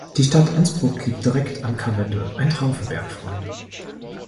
Die Stadt Innsbruck liegt direkt am Karwendel – ein Traum für Bergfreunde!